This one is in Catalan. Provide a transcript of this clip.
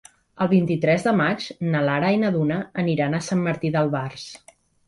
El vint-i-tres de maig na Lara i na Duna aniran a Sant Martí d'Albars.